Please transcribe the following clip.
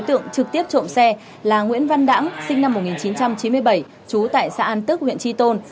các đối tượng trực tiếp trộm xe là nguyễn văn đãng sinh năm một nghìn chín trăm chín mươi bảy chú tại xã an tức huyện tri tôn